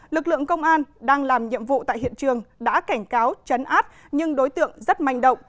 lực lượng công an đang làm nhiệm vụ tại hiện trường đã cảnh cáo chấn áp nhưng đối tượng rất manh động